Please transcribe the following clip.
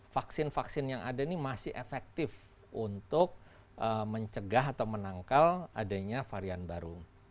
vaksin vaksin yang ada ini masih efektif untuk mencegah atau menangkal adanya varian baru